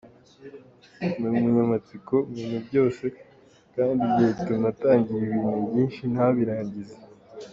Ni umunyamatsiko mu bintu byose kandi ibyo bituma atangira ibintu byinshi ntabirangize.